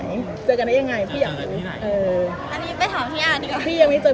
ไม่รู้จักกับพี่ไงมีคนแนะนำหรืออะไรยังไง